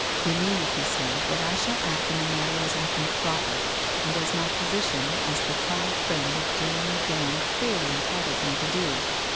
' Believe,' he said, ' that I shall act in the matter as I think proper, and as my position as the tried friend of Jeremy Dand clearly entitles me to do.